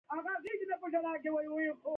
لمسی د نیکه کتابونه ګوري.